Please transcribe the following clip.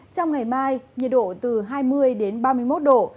trong ngày mai nhiệt độ từ hai mươi đến ba mươi một độ